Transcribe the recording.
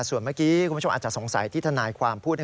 ส่วนเมื่อกี้คุณผู้ชมอาจจะสงสัยที่ทนายความพูด